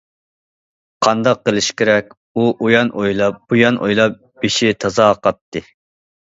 قانداق قىلىش كېرەك؟ ئۇ ئۇيان ئويلاپ، بۇيان ئويلاپ بېشى تازا قاتتى.